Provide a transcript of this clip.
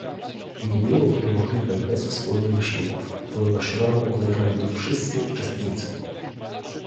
Nie byłoby to możliwe bez wspólnych wysiłków, ponieważ rolę odegrali tu wszyscy uczestnicy